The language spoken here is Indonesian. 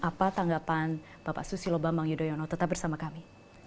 apa tanggapan bapak susilo bambang yudhoyono tetap bersama kami